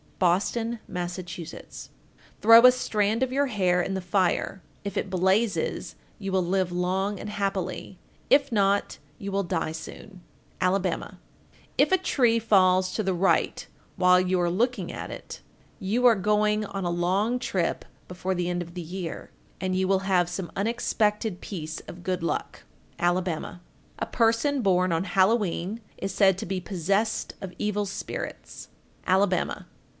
Boston, Mass. 1471. Throw a strand of your hair in the fire; if it blazes you will live long and happily; if not, you will die soon. Alabama. 1472. If a tree falls to the right while you are looking at it, you are going on a long trip before the end of the year, and will have some unexpected piece of good luck. Alabama. 1473. A person born on Halloween is said to be possessed of evil spirits. _Alabama.